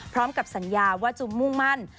พร้อมกับสัญญาว่าจะมุ่งมั่น